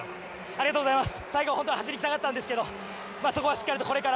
ありがとうございます。